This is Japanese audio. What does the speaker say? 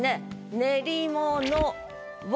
「練り物は」